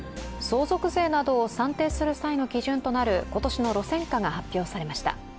相続税などを算定する際の基準となる今年の路線価が発表されました。